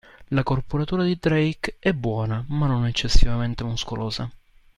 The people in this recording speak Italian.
La corporatura di Drake è buona, ma non eccessivamente muscolosa.